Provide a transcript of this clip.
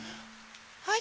はい。